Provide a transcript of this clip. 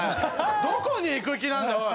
どこに行く気なんだおい